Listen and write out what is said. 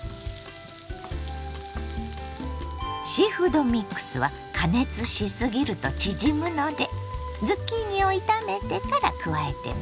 シーフードミックスは加熱しすぎると縮むのでズッキーニを炒めてから加えてね。